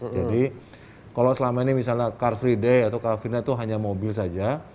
jadi kalau selama ini misalnya car free day atau crowd free night itu hanya mobil saja